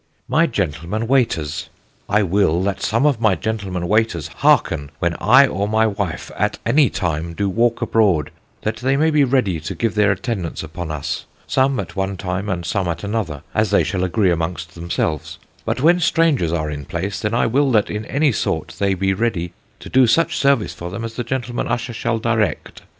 MY GENTLEMEN WAYTERS. I will that some of my Gentlemen Wayters harken when I or my wiffe att any tyme doe walke abroade, that they may be readye to give their attendance uppon us, some att one tyme and some att another as they shall agree amongst themselves; but when strangeres are in place, then I will that in any sorte they be readye to doe such service for them as the Gentleman Usher shall directe.